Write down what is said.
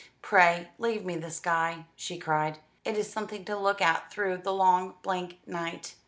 "Pray leave me the sky," she cried; "it is something to look at through the long blank night.